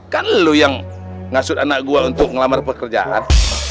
kan lo yang ngasut anak gue untuk ngelamar pekerjaan